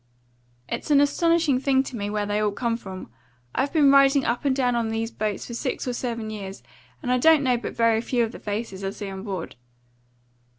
It's an astonishing thing to me where they all come from. I've been riding up and down on these boats for six or seven years, and I don't know but very few of the faces I see on board.